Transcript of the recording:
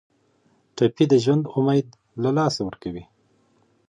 ټپي د ژوند امید له لاسه ورکوي.